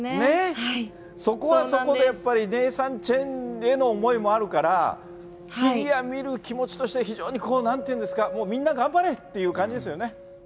そこはそこでやっぱり、ネイサン・チェンへの思いもあるから、フィギュア見る気持ちとしては、非常に、なんて言うんですか、もうみんな頑張れっていう感じですよね。